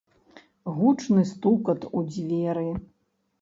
Гучны стукат у дзверы.